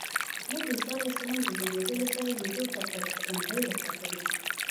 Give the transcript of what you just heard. موږ د عیسی علیه السلام د زېږېدلو ځای لیدو ته پر غونډۍ وختلو.